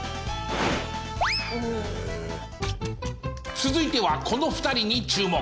続いてはこの２人に注目。